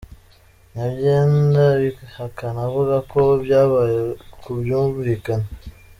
Nyabyenda abihakana avuga ko byabaye ku bwumvikane.